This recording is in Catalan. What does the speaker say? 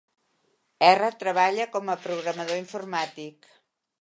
Erra treballa com a programador informàtic.